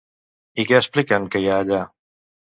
I què expliquen que hi ha allà?